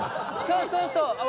そうそう